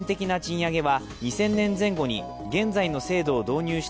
全面的な賃上げは２０００年前後に現在の制度を導入して